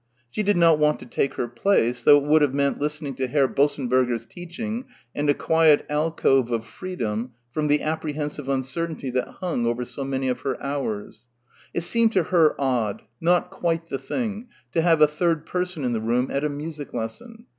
She did not want to take her place, though it would have meant listening to Herr Bossenberger's teaching and a quiet alcove of freedom from the apprehensive uncertainty that hung over so many of her hours. It seemed to her odd, not quite the thing, to have a third person in the room at a music lesson.